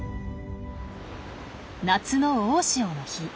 夏の大潮の日。